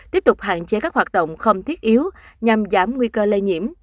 tiếp tục hạn chế các hoạt động không thiết yếu nhằm giảm nguy cơ lây nhiễm